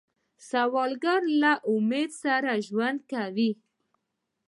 سوالګر له امید سره ژوند کوي